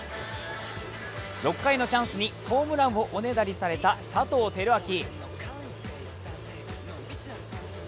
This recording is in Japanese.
６回のチャンスにホームランをおねだりされた佐藤輝明。